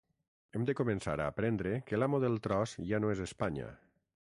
Hem de començar a aprendre que l’amo del tros ja no és Espanya.